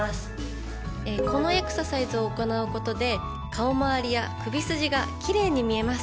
このエクササイズを行うことで顔回りや首筋が奇麗に見えます。